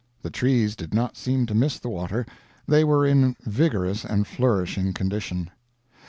The trees did not seem to miss the water; they were in vigorous and flourishing condition.